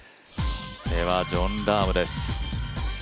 では、ジョン・ラームです。